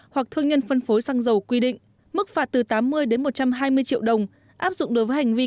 hoặc thương nhân phân phối xăng dầu quy định mức phạt từ tám mươi đến một trăm hai mươi triệu đồng áp dụng đối với hành vi